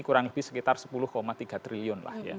kurang lebih sekitar sepuluh tiga triliun lah ya